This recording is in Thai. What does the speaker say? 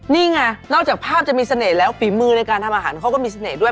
นี่ไงนอกจากภาพจะมีเสน่ห์แล้วฝีมือในการทำอาหารเขาก็มีเสน่ห์ด้วย